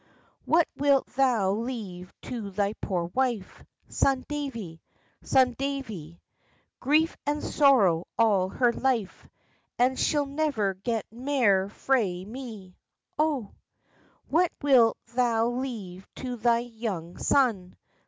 "What wilt thou leave to thy poor wife? Son Davie! Son Davie!" "Grief and sorrow all her life, And she'll never get mair frae me, O." "What wilt thou leave to thy young son?